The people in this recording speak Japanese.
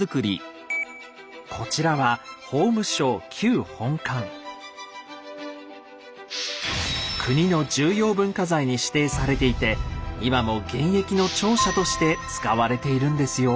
こちらは国の重要文化財に指定されていて今も現役の庁舎として使われているんですよ。